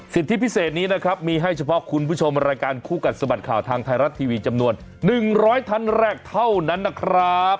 สิทธิพิเศษนี้นะครับมีให้เฉพาะคุณผู้ชมรายการคู่กัดสะบัดข่าวทางไทยรัฐทีวีจำนวน๑๐๐ท่านแรกเท่านั้นนะครับ